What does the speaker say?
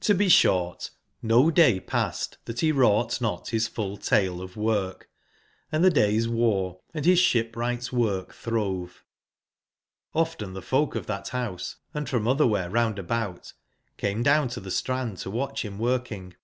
k4 135 ^O be short, no day passed that be wrougbtnot bis full taleof work, and tbe days wore, and bis shipwright's work throve. Often tbe folk of that house, and from otherwhere round about, came down to the strand to watch him working.